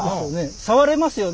触れますよね？